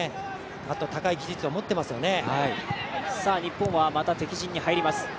あと、高い技術を持ってますよね。